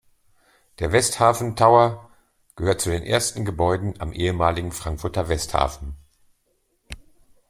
Der Westhafen Tower gehört zu den ersten Gebäuden am ehemaligen Frankfurter Westhafen.